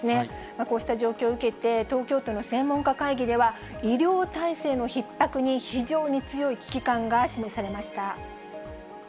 こうした状況を受けて、東京都の専門家会議では、医療体制のひっ迫に非常に強い危機感が示されました。